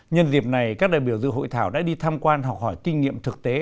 nhân dịp này các đại biểu dự hội thảo đã đi tham quan học hỏi kinh nghiệm thực tế